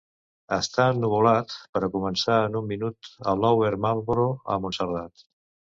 està ennuvolat per a començar en un minut a Lower marlboro, a Montserrat